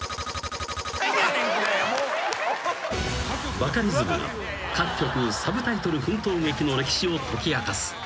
［バカリズムが各局サブタイトル奮闘劇の歴史を解き明かす］